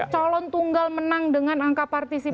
calon tunggal menang dengan angka partisipasi